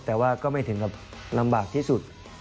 แต่ว่าก็ไม่ถึงกับลำบากที่สุด